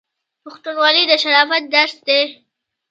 پښتونولي د شرافت درس دی.